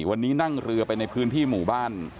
วันนี้นั่งเรือไปในพื้นที่หมู่บ้าน